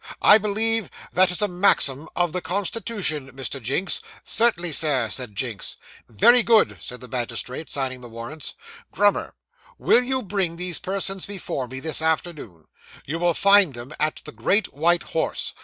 I believe that is a maxim of the constitution, Mr. Jinks?' Certainly, sir,' said Jinks. 'Very good,' said the magistrate, signing the warrants. 'Grummer, you will bring these persons before me, this afternoon. You will find them at the Great White Horse.